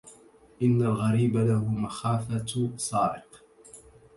إن الغريب له مخافة سارق